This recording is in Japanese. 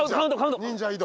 忍者移動。